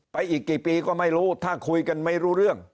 อีกกี่ปีก็ไม่รู้ถ้าคุยกันไม่รู้เรื่อง